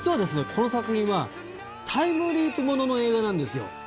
この作品はタイムリープものの映画なんですよ。